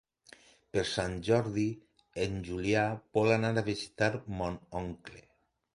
Per Sant Jordi en Julià vol anar a visitar mon oncle.